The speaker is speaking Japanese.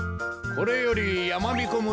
これよりやまびこ村